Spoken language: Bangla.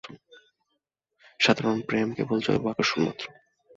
সাধারণ প্রেম কেবল জৈব আকর্ষণমাত্র।